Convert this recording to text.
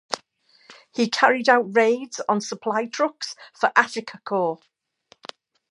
He carried out raids on supply trucks for Afrika Korps.